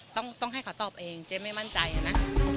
ต้องให้เขาตอบเองเจ๊ไม่มั่นใจนะ